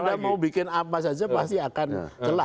anda mau bikin apa saja pasti akan celah